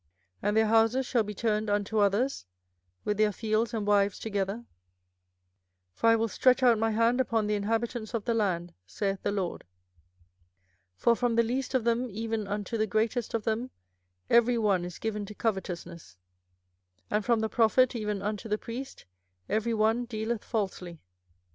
24:006:012 And their houses shall be turned unto others, with their fields and wives together: for I will stretch out my hand upon the inhabitants of the land, saith the LORD. 24:006:013 For from the least of them even unto the greatest of them every one is given to covetousness; and from the prophet even unto the priest every one dealeth falsely.